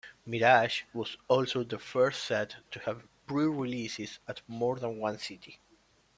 "Mirage" was also the first set to have pre-releases at more than one city.